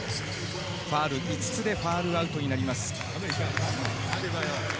ファウル５つでファウルアウトになります。